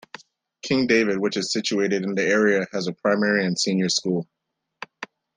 King David which is situated in the area has a primary and senior school.